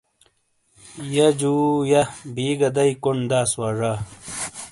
یہ جو یہ بی گہ دئی کونڈداس واڙا